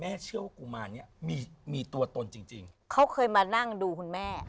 เชื่อว่ากุมารเนี้ยมีมีตัวตนจริงจริงเขาเคยมานั่งดูคุณแม่